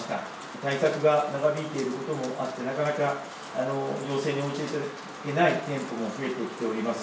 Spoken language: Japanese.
対策が長引いていることもあって、なかなか要請に応じていただけない店舗も増えてきております。